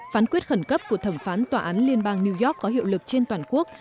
phán quyết khẩn cấp của thẩm phán tòa án liên bang new york có hiệu lực trên toàn quốc